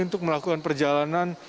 untuk melakukan perjalanan